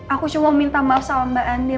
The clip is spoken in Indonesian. aku cuma mau minta maaf sama mbak andin